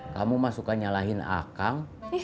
kamu mah suka nyalahin akang